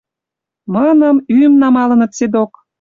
Мыным, ӱм намалыныт седок